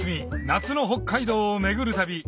夏の北海道を巡る旅